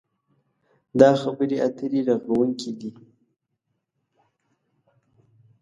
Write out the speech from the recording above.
دا خبرې اترې رغوونکې دي.